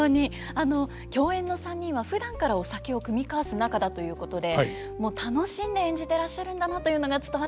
あの共演の３人はふだんからお酒を酌み交わす仲だということでもう楽しんで演じてらっしゃるんだなというのが伝わってきましたよね。